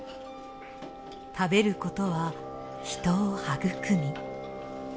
食べることは人を育み。